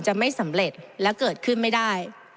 จะไม่สำเร็จและเกิดขึ้นไม่ได้